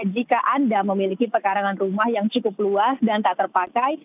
jika anda memiliki pekarangan rumah yang cukup luas dan tak terpakai